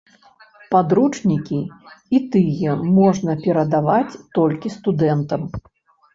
Падручнікі, і тыя можна перадаваць толькі студэнтам.